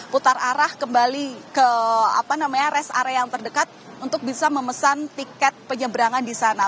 putar arah kembali ke rest area yang terdekat untuk bisa memesan tiket penyeberangan di sana